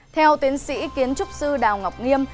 theo tiến sĩ kiến trúc sư đào ngọc nghiêm